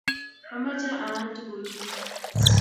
amache aal tukuchu